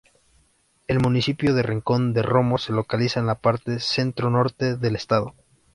El municipio de Rincón de Romos se localiza en la parte centro-norte del estado.